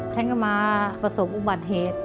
ฉันก็มาประสบอุบัติเหตุ